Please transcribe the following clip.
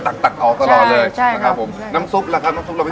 น้ำซุปล่ะครับน้ำซุปเราพิเศษไงครับ